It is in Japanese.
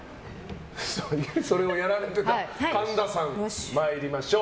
それはやられてた神田さん参りましょう。